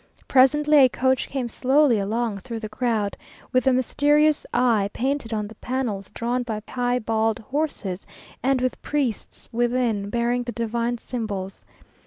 Presently a coach came slowly along through the crowd, with the mysterious Eye painted on the panels, drawn by piebald horses, and with priests within, bearing the divine symbols.